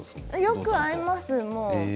よく会います、もう。